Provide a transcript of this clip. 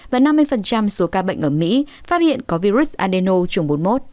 và năm mươi số ca bệnh ở mỹ phát hiện có virus andeno trùng bốn mươi một